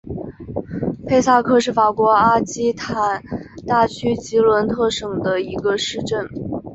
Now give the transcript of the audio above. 佩萨克是法国阿基坦大区吉伦特省的一个市镇。